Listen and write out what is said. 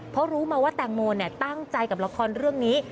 เพราะรู้มาว่าแตงโมตั้งใจกับละครเรื่องนี้